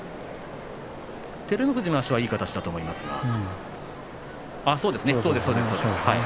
照ノ富士の足はいい形だと思いますけど。